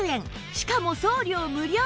しかも送料無料